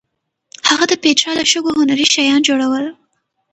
هغه د پېټرا له شګو هنري شیان جوړول.